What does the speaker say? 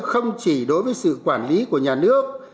không chỉ đối với sự quản lý của nhà nước